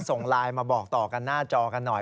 ส่งไลน์มาบอกต่อกันหน้าจอกันหน่อย